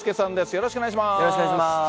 よろしくお願いします。